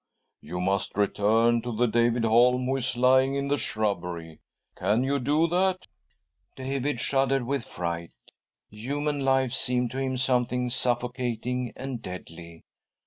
You must return to the David Holm who is lying in the shrubbery. Can you do that ?" David shuddered with fright. Human life seemed to him something suffocating and deadly.